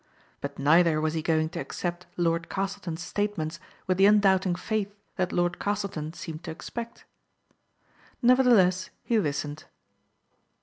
*' But neither was he going to accept Lord Castle ton's statements with the undoubting faith that Lord Castleton seemed to expect. Nevertheless he listened.